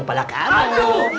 kepala kami dipotong